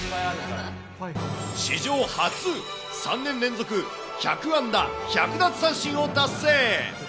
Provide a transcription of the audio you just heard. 史上初、３年連続１００安打１００奪三振を達成。